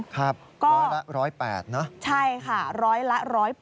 ครับร้อยละ๑๐๘นะใช่ค่ะร้อยละ๑๐๘๕๒